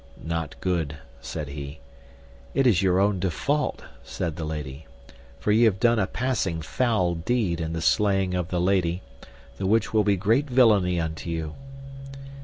Not good, said he. It is your own default, said the lady, for ye have done a passing foul deed in the slaying of the lady, the which will be great villainy unto you.